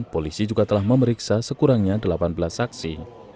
polisi juga telah memeriksa sekurangnya delapan belas saksi